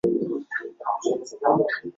她喜欢乡下的生活